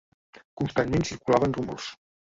Constantment circulaven rumors